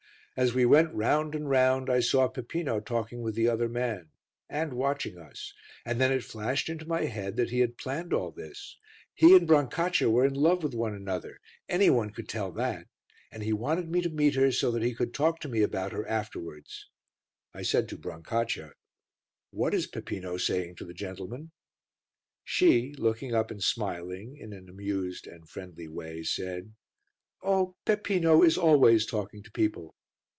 As we went round and round I saw Peppino talking with the other man and watching us, and then it flashed into my head that he had planned all this. He and Brancaccia were in love with one another, any one could tell that, and he wanted me to meet her so that he could talk to me about her afterwards. I said to Brancaccia "What is Peppino saying to the gentleman?" She, looking up and smiling, in an amused and friendly way, said "Oh! Peppino is always talking to people."